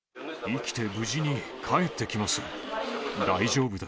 生きて無事に帰ってきます。